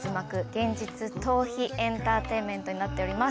現実逃避エンターテインメントになっております。